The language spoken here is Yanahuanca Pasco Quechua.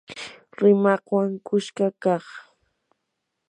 rimaqwan kuska kaq